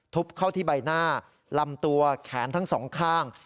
เข้าที่ใบหน้าลำตัวแขนทั้งสองข้าง